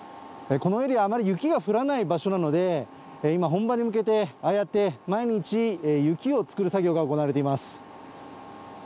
このエリア、あまり雪が降らない場所なので、今、本番に向けてああやって毎日、雪を作る作業が行われています。